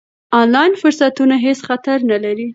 آنلاین فرصتونه هېڅ خطر نه لري.